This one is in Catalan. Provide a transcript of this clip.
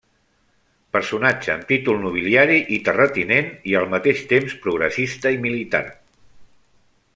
Personatge amb títol nobiliari i terratinent i, al mateix temps, progressista i militar.